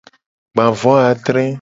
Gba vo adre.